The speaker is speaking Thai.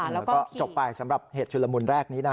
มันก็จบไปสำหรับเหตุชุลมุนแรกนี้นะฮะ